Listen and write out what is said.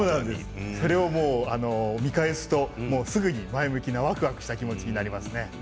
それを、見返すとすぐに前向きにワクワクした気持ちになりますね。